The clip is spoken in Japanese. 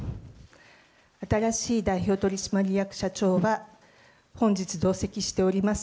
新しい代表取締役社長は、本日同席しております